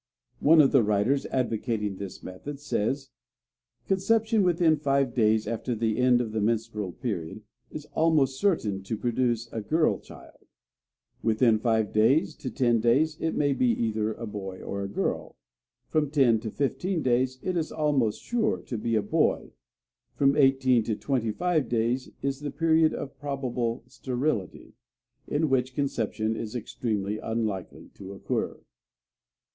One of the writers advocating this method, says: "Conception within five days after the end of the menstrual period is almost certain to produce a girl child; within five days to ten days, it may be either a boy or a girl; from ten to fifteen days, it is almost sure to be a boy; from eighteen to twenty five days is the period of probable sterility, in which conception is extremely unlikely to occur."